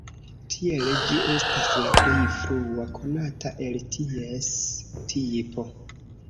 Tiele ĝi estas la plej frua konata el ties tipo.